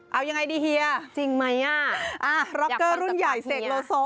เอายังไงดิเฮียะจริงไหมอ่ะอยากฟังสภาพเฮียะอ่าร็อกเกอร์รุ่นใหญ่เศษโลโซ